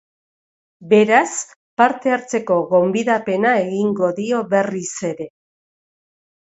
Beraz, parte hartzeko gonbidapena egingo dio berriz ere.